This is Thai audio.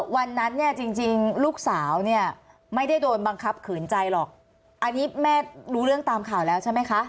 วันนั้นเนี่ยจริงลูกสาวเนี่ยไม่ได้โดนบังคับขืนใจหรอกอันนี้แม่รู้เรื่องตามข่าวแล้วใช่ไหมคะ